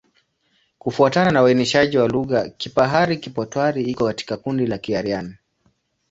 Kufuatana na uainishaji wa lugha, Kipahari-Kipotwari iko katika kundi la Kiaryan.